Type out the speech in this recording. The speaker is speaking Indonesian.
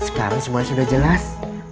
sekarang semuanya sudah jelas